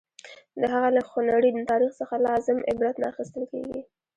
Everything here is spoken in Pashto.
د هغه له خونړي تاریخ څخه لازم عبرت نه اخیستل کېږي.